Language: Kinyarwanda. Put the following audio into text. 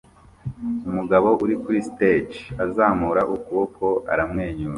Umugabo uri kuri stage azamura ukuboko aramwenyura